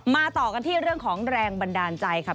ต่อกันที่เรื่องของแรงบันดาลใจค่ะ